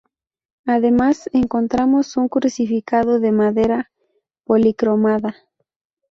Además encontramos un Crucificado de madera policromada.